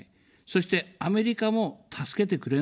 そして、アメリカも助けてくれないんです。